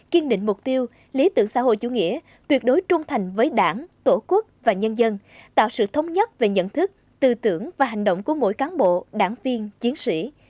kiên định mục tiêu lý tưởng xã hội chủ nghĩa tuyệt đối trung thành với đảng tổ quốc và nhân dân tạo sự thống nhất về nhận thức tư tưởng và hành động của mỗi cán bộ đảng viên chiến sĩ